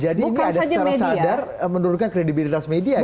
jadi ini ada secara sadar menurutnya kredibilitas media gitu